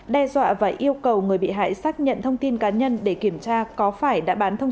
đe dọa và yêu cầu người bị hại xác nhận thông tin cá nhân để kiểm tra có phải đã bán thông